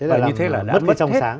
và như thế là bất kỳ hết